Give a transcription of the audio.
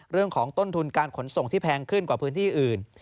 เรื่องของต้นทุนการขนส่งที่แพงขึ้นกว่าพื้นที่อื่น